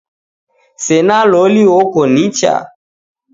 Sena loli oko nicha?